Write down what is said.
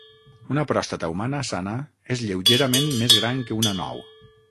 Una pròstata humana sana és lleugerament més gran que una nou.